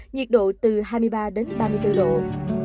nhiệt độ từ hai mươi ba đến ba mươi bốn độ